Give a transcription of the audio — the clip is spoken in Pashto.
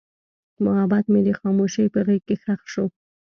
محبت مې د خاموشۍ په غېږ کې ښخ شو.